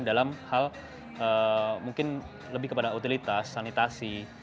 dalam hal mungkin lebih kepada utilitas sanitasi